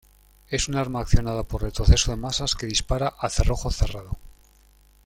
Es un arma accionada por retroceso de masas que dispara a cerrojo cerrado.